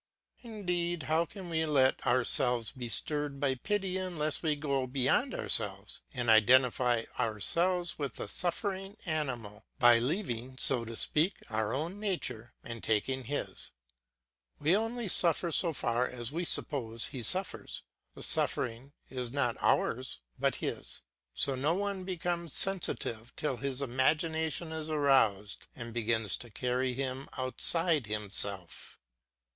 Indeed, how can we let ourselves be stirred by pity unless we go beyond ourselves, and identify ourselves with the suffering animal, by leaving, so to speak, our own nature and taking his. We only suffer so far as we suppose he suffers; the suffering is not ours but his. So no one becomes sensitive till his imagination is aroused and begins to carry him outside himself.